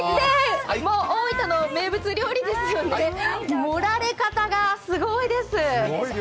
大分の名物料理ですよね、盛られ方がすごいです。